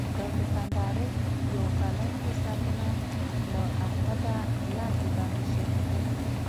د دوکاندارۍ یو کلن حسابونه له احمده لاندې باندې شوي دي.